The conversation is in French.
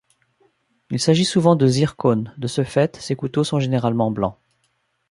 Il s'agit souvent de zircone, de ce fait ces couteaux sont généralement blancs.